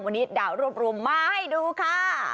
วันนี้ดาวรวบรวมมาให้ดูค่ะ